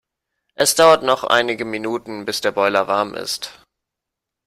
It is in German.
Es dauert noch einige Minuten bis der Boiler warm ist.